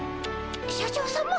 社長さま。